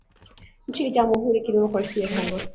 nchini jamhuri ya kidemokrasia ya Kongo